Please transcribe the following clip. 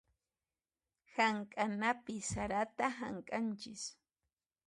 Hamk'anapi sarata hamk'anchis.